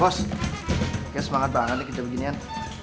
bos kayaknya semangat banget nih kerja beginian